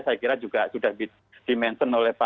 saya kira juga sudah dimenton oleh pak